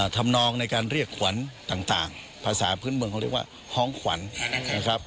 ทำนองในการเรียกขวัญต่างภาษาพื้นเมืองเขาเรียกว่าฮ้องขวัญนะครับ